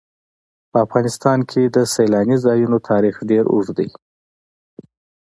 په افغانستان کې د سیلاني ځایونو تاریخ ډېر اوږد دی.